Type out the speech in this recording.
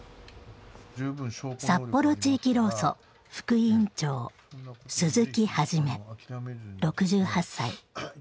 札幌地域労組副委員長鈴木一６８歳。